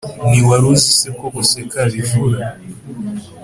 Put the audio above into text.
ntiwari uzi se ko guseka bivura